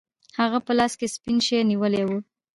هغه په لاس کې سپین شی نیولی و.